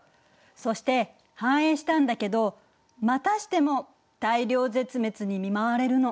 そして繁栄したんだけどまたしても大量絶滅に見舞われるの。